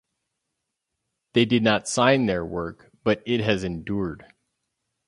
They did not sign their work, but it has endured.